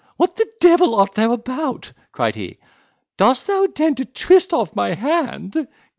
"What the devil art thou about?" cried he, "dost thou intend to twist off my hand?